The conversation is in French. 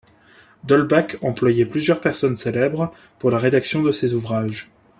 D’Holbach employait plusieurs personnes célèbres pour la rédaction de ses ouvrages.